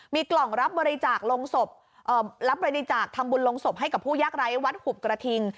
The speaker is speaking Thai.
มีกล่องรับบริจาคลงศพรับบริจาคทำบุญลงศพให้กับผู้ยากไร้วัดหุบกระทิง